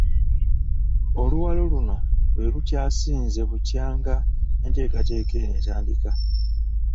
Oluwalo luno lwe lukyasinze bukyanga enteekateeka eno etandika.